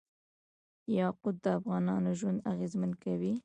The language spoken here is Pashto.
یاقوت د افغانانو ژوند اغېزمن کوي.